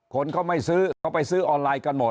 คนเขาไม่ซื้อเขาไปซื้อออนไลน์กันหมด